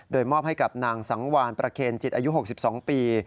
โดยมอบให้กับนางสังวานประเคนจิตอายุ๖๒ปี